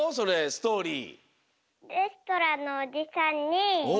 ストーリー。